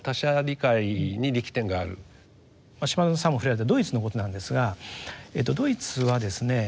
島薗さんも触れられたドイツのことなんですがドイツはですね